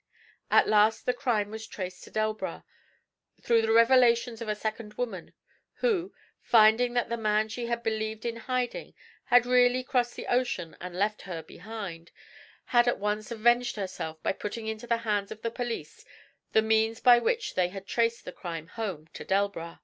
At last the crime was traced to Delbras, through the revelations of a second woman, who, finding that the man she had believed in hiding had really crossed the ocean and left her behind, had at once avenged herself by putting into the hands of the police the means by which they had traced the crime home to Delbras.